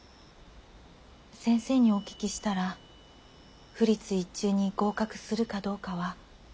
先生にお聞きしたら府立一中に合格するかどうかは五分五分だと。